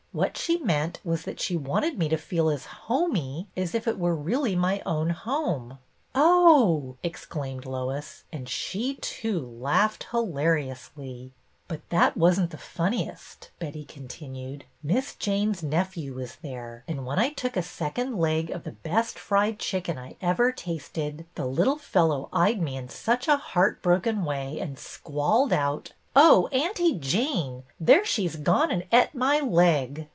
What she meant was that she wanted me to feel as ' homey ' as if it were really my own home." " Oh 1 " exclaimed Lois, and she too laughed hilariously. " But that was n't the funniest," Betty con tinued. " Miss Jane's nephew was there, and BETTY AND LOIS 26 1 when I took a second leg of the best fried chicken I ever tasted, the little fellow eyed me in such a heart broken way and squalled out, 'Oh, Aunty Jane, there she's gone and et my leg.